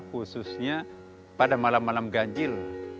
khususnya pada malam malam ganjil